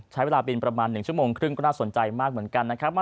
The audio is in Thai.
ใช้เวลาบินประมาณ๑ชั่วโมงครึ่งก็น่าสนใจมากเหมือนกันนะครับ